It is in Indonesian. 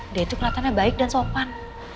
dia itu kelihatannya baik dan sopan